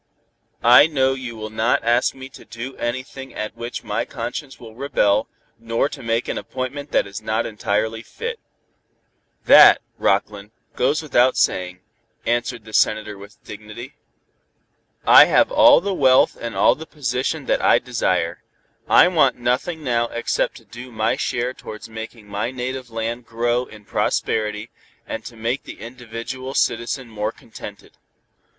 "I know you will not ask me to do anything at which my conscience will rebel, nor to make an appointment that is not entirely fit." "That, Rockland, goes without saying," answered the Senator with dignity. "I have all the wealth and all the position that I desire. I want nothing now except to do my share towards making my native land grow in prosperity, and to make the individual citizen more contented.